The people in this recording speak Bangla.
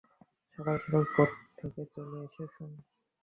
সকাল-সকাল কোর্ট থেকে চলে এসেছেন।